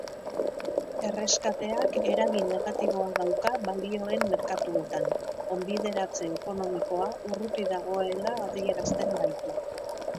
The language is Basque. Erreskateak eragin negatiboa dauka balioen merkatuetan, onbideratze ekonomikoa urruti dagoela adierazten baitu.